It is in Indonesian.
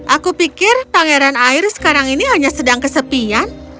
aku pikir pangeran air sekarang ini hanya sedang kesepian